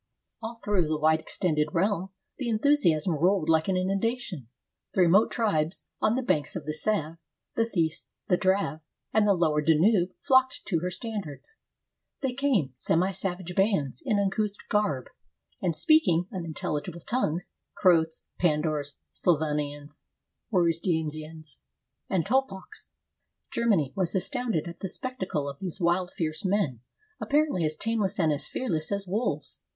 All through the wide extended realm, the enthusiasm rolled like an innundation. The remote tribes on the banks of the Save, the Theiss, the Drave, and the lower Danube flocked to her standards. They came, semi savage bands, in uncouth garb, and speaking unintelligible tongues — Croats, Pandours, Slavonians, Warusdinians, and Tolpaches. Germany was astounded at the spectacle of these wild, fierce men, apparently as tameless and as fearless as wolves.